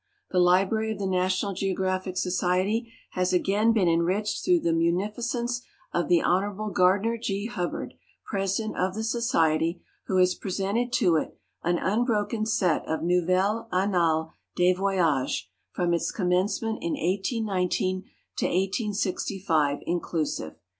The library of the National Geographic Society has again been enriched through the munificence of the Hon. Gardiner G. Hubbard, president of the Society, who has presented to it an unbroken set of Nouvelles Annales des Voyages from its commencement in 1819 to 1865, inclusive.